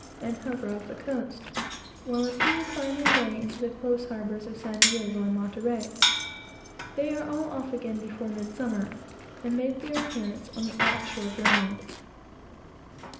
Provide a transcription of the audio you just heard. and hover off the coast, while a few find their way into the close harbors of San Diego and Monterey. They are all off again before midsummer, and make their appearance on the "off shore ground."